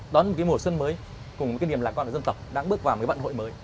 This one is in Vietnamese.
đón một cái mùa xuân mới cùng một cái niềm lạc quan của dân tộc đang bước vào một cái vận hội mới